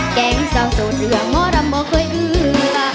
แกล้งซาวโส่หนื่อหมาลำบ่เพื่อเยื่ย